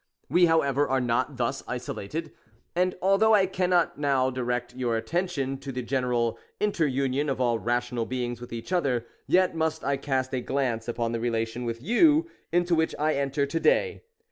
We however are not thus isolated, and although I cannot now direct your attention to the general interunion of all rational beings with each other, yet must I cast a glance upon the relation with you, into which I enter to day.